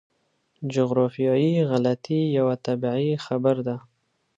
جغرافیایي غلطي یوه طبیعي خبره ده.